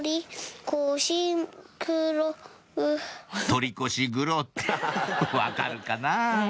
「取り越し苦労」って分かるかな？